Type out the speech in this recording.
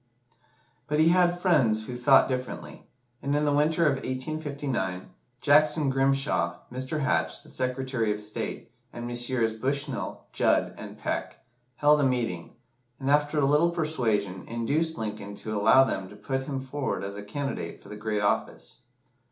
But he had friends who thought differently, and in the winter of 1859, Jackson Grimshaw, Mr. Hatch, the Secretary of State, and Messrs. Bushnell, Judd, and Peck, held a meeting, and, after a little persuasion, induced Lincoln to allow them to put him forward as a candidate for the great office.